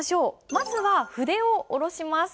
まずは筆を下ろします。